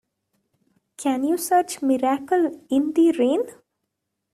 Can you search Miracle in the Rain?